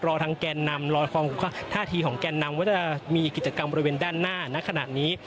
รอทางแกนนำรอฟังท่าทีของแกนนำว่าจะมีกิจกรรมบริเวณด้านหน้าณขณะนี้